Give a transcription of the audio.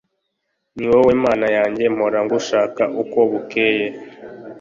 ni wowe mana yanjye, mpora ngushaka uko bukeye